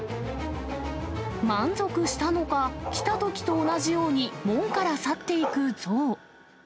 満足したのか、来たときと同じように門から去っていくゾウ。